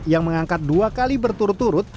yang mengangkat dua kali berturut turut